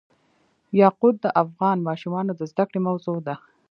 یاقوت د افغان ماشومانو د زده کړې موضوع ده.